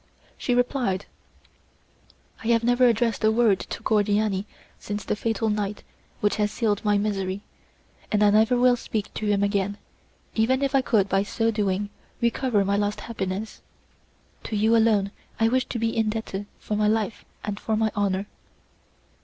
She replied: "I have never addressed a word to Cordiani since the fatal night which has sealed my misery, and I never will speak to him again, even if I could by so doing recover my lost happiness. To you alone I wish to be indebted for my life and for my honour."